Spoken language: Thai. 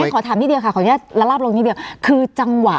ขอถามนิดเดียวค่ะ